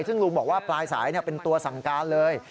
ซึ่งลุงบอกว่าปลายสายเป็นตัวสั่งการเลย